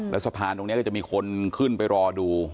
แล้วสะพานตรงนี้ก็จะมีคนขึ้นไปรอดู